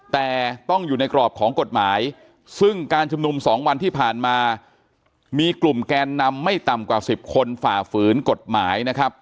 แต่ต้องอยู่ในกรอบของกฎหมายซึ่งการชุมนุม๒วันที่ผ่านมามีกลุ่มแกนนำไม่ต่ำกว่า๑๐คนฝ่าฝืนกฎหมายนะครับ